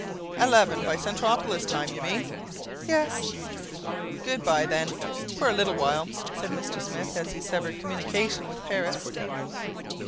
"Eleven by Centropolis time, you mean?" "Yes." "Good by, then, for a little while," said Mr. Smith as he severed communication with Paris.